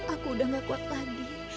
aku udah gak kuat lagi